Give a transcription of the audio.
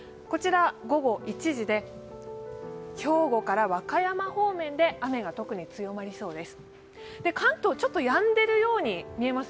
午後１時で兵庫から和歌山方面で雨が特に強まりそうです。